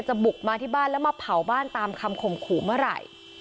บุกมาที่บ้านแล้วมาเผาบ้านตามคำข่มขู่เมื่อไหร่